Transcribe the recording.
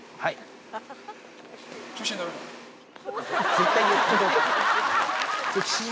絶対言ってない。